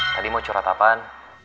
tadi mau curhat apaan